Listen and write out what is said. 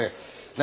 何？